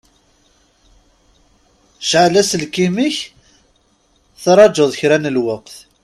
Cɛel aselkim-inek, traǧuḍ kra n lweqt!